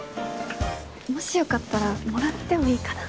もしよかったらもらってもいいかな？